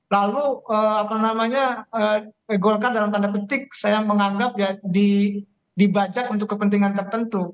lalu apa namanya golkar dalam tanda petik saya menganggap ya dibajak untuk kepentingan tertentu